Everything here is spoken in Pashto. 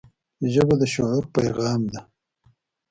ژبه د شعور پیغام ده